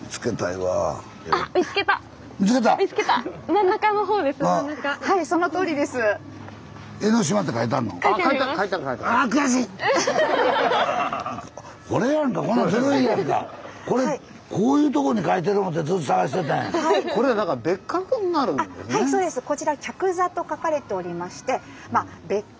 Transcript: はいそうです。こちら「客座」と書かれておりましてまあ別格。